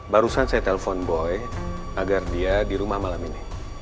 barusan saya telpon boy agar dia di rumah malam ini